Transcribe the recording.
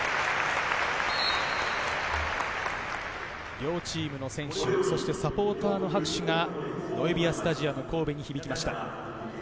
両チームの選手、そしてサポーターの拍手がノエビアスタジアム神戸に響きました。